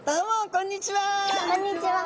こんにちは！